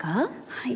はい。